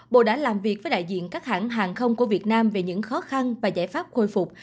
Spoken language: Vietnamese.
bộ đã làm việc với đại diện các hãng hàng không của việt nam về những khó khăn và giải pháp khôi phục